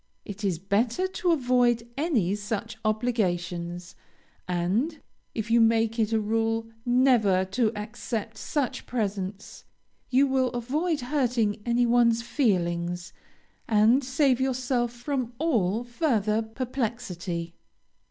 It is better to avoid any such obligations, and, if you make it a rule never to accept such presents, you will avoid hurting any one's feelings, and save yourself from all further perplexity.